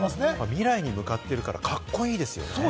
未来に向かっているからカッコいいですよね。